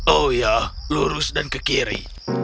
oh ya lurus dan ke kiri